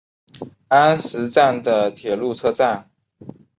安食站的铁路车站。